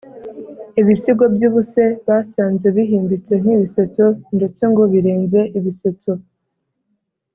ibisigo by’ubuse basanze bihimbitse nk’ibisetso ndetse ngo birenze ibisetso